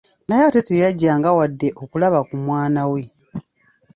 Naye ate teyajjanga wadde okulaba ku mwana we.